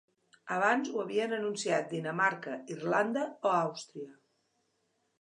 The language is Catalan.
Abans ho havien anunciat Dinamarca, Irlanda o Àustria.